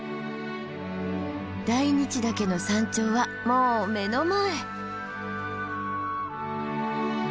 大日岳の山頂はもう目の前。